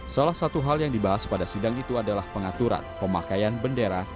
salah satu hal yang dibahas pada sidang itu adalah pengaturan pemakaian bendera